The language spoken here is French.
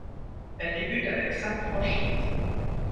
Elle débute avec cinq franchises.